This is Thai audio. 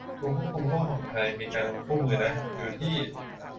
กรมควบคุมโรคของไทย มีทำคู่มือนะ ดูที่